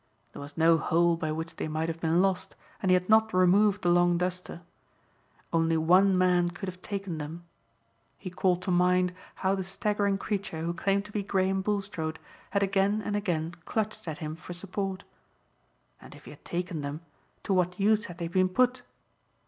There was no hole by which they might have been lost and he had not removed the long duster. Only one man could have taken them. He called to mind how the staggering creature who claimed to be Graham Bulstrode had again and again clutched at him for support. And if he had taken them, to what use had they been put?